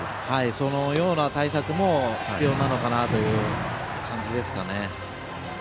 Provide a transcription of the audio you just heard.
そのような対策も必要かなという感じですかね。